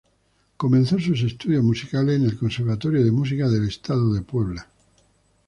Comenzó sus estudios musicales en el Conservatorio de Música del Estado de Puebla.